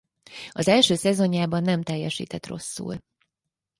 Az első szezonjában nem teljesített rosszul.